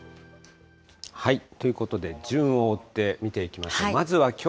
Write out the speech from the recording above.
ということで順を追って見ていきましょう。